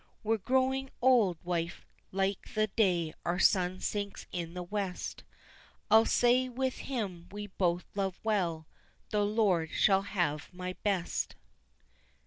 We're growing old, wife, like the day our sun sinks in the west, I'll say with him we both loved well, The Lord shall have my best."